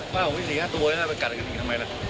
ว่าผมไม่สี่ห้าตัวแล้วจะเอาไปกัดกันอย่างนี้ทำไมล่ะ